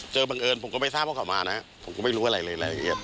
เจอบังเอิญผมก็ไม่ทราบว่าเขามานะผมก็ไม่รู้อะไรเลยอะไรอย่างเงี้ย